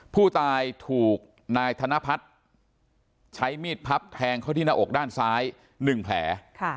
ผู้ตายถูกนายธนพัฒน์ใช้มีดพับแทงเข้าที่หน้าอกด้านซ้าย๑แผล